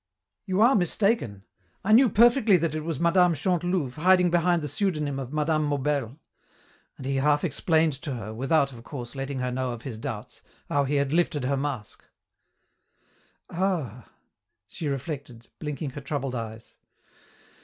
"You are mistaken. I knew perfectly that it was Mme. Chantelouve hiding behind the pseudonym of Mme. Maubel." And he half explained to her, without, of course, letting her know of his doubts, how he had lifted her mask. "Ah!" She reflected, blinking her troubled eyes.